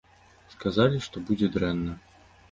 Сказалі, што будзе дрэнна.